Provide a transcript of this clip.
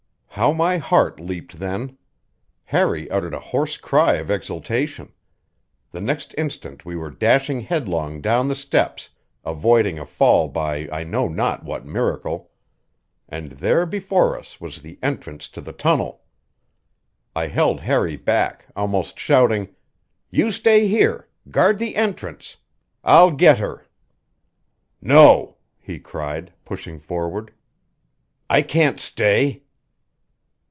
How my heart leaped then! Harry uttered a hoarse cry of exultation. The next instant we were dashing headlong down the steps, avoiding a fall by I know not what miracle. And there before us was the entrance to the tunnel. I held Harry back, almost shouting: "You stay here; guard the entrance. I'll get her." "No," he cried, pushing forward. "I can't stay."